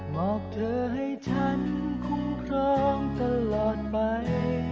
บอกเธอให้ฉันคุ้มครองตลอดไป